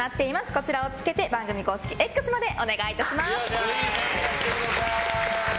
こちらをつけて番組公式Ｘまでお願いします。